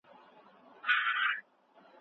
که فرصت ورکړل شي، ښار به وغوړېږي.